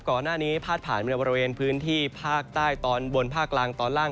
พาดผ่านในบริเวณพื้นที่ภาคใต้ตอนบนภาคกลางตอนล่าง